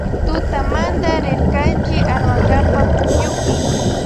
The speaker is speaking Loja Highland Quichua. Tutamante rirkanchi armankapa pukyupi.